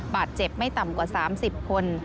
บาดเจ็บไม่ต่ำกว่า๓๐คน